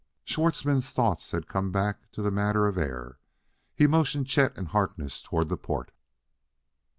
Schwartzmann's thoughts had come back to the matter of air; he motioned Chet and Harkness toward the port.